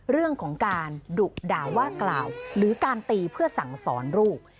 เรื่องของการดุด่าว่ากล่าวหรือการตีเพื่อสั่งสอนลูก